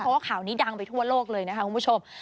เพราะว่าข่าวนี้ดังไปทั่วโลกเลยนะคะคุณผู้ชม